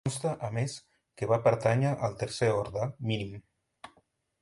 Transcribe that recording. Consta, a més, que va pertànyer al Tercer Orde Mínim.